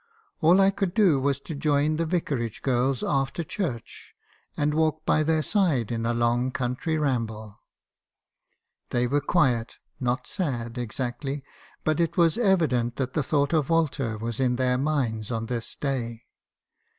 All I could do was to join the vicarage girls after church , and walk by their side in a long country ramble. They were quiet; not sad, exactly; but it was evident that the thought of Walter was in their minds on this day.